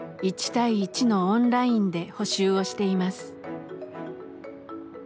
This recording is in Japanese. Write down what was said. １対１のオンラインで補習をしています。